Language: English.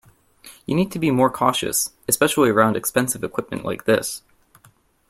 You need to be more cautious, especially around expensive equipment like this.